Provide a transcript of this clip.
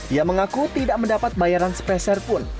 ia mengaku tidak mendapat bayaran speser pun